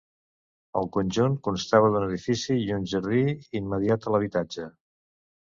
El conjunt constava d'un edifici i un jardí immediat a l'habitatge.